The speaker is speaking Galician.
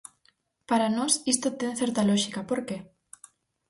Para nós, isto ten certa lóxica, ¿por que?